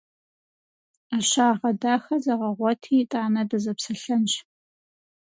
Ӏэщагъэ дахэ зэгъэгъуэти, итӀанэ дызэпсэлъэнщ!